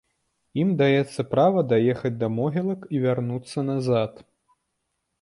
Ім даецца права даехаць да могілак і вярнуцца назад.